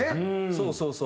そうそうそう。